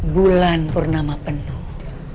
bulan purnama penuh